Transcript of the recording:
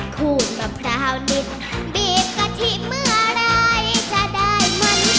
ขูดมะพร้าวนิดบีบกะทิเมื่อไหร่จะได้มัน